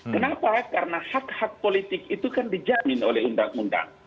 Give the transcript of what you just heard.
kenapa karena hak hak politik itu kan dijamin oleh undang undang